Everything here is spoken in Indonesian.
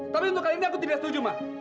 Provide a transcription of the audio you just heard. tapi untuk kali ini aku tidak setuju mah